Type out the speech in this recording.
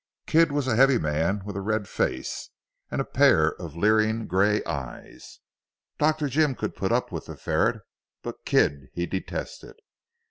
Kidd was a heavy man with a red face, and a pair of leering grey eyes. Dr. Jim could put up with the ferret but Kidd he detested.